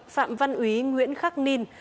phạm văn úy nguyễn khắc ninh